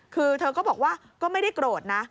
คือเธอก็บอกว่าก็ไม่ได้โกรธนะ